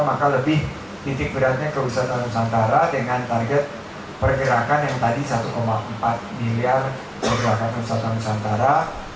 menteri pariwisata dan ekonomi kreatif sandiaga uno mengatakan pihaknya mencapai satu empat miliar pergerakan wisatawan nusantara